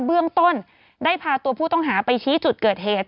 เบื้องต้นได้พาตัวผู้ต้องหาไปชี้จุดเกิดเหตุ